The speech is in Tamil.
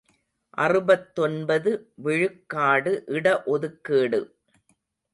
அறுபத்தொன்பது விழுக்காடு இட ஒதுக்கீடு!